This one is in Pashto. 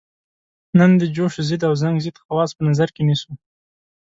نن د جوش ضد او زنګ ضد خواص په نظر کې نیسو.